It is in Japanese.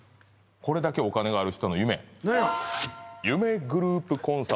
これだけお金がある人の夢何や？